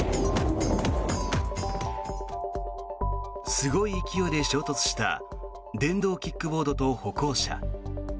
すごい勢いで衝突した電動キックボードと歩行者。